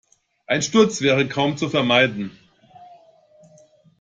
Ein Sturz wäre kaum zu vermeiden.